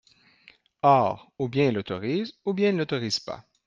Or ou bien elle autorise, ou bien elle n’autorise pas.